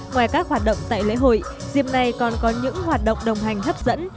ngoài các hoạt động tại lễ hội diệm này còn có những hoạt động đồng hành hấp dẫn